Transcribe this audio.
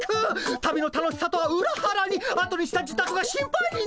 旅の楽しさとはうらはらにあとにした自宅が心配になる。